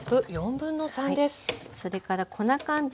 それから粉寒天。